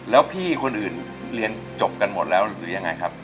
แล้วพี่คนอื่นเรียนจบกันหมดแล้วหรือยังไงครับ